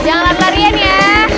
jangan lari larian ya